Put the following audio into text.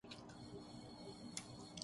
پاک سوزوکی نے گاڑیوں کی قیمتیں فیصد بڑھا دیں